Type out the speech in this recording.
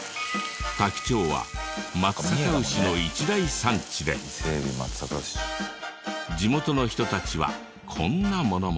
多気町は松阪牛の一大産地で地元の人たちはこんなものも。